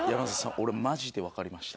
俺マジでわかりました。